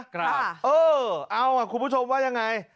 ครับเออเอาคุณผู้ชมว่ายังไง